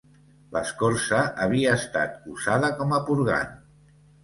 L'escorça havia estat usada com a purgant.